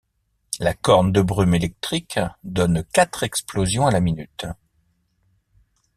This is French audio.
La corne de brume électrique donne quatre explosions à la minute.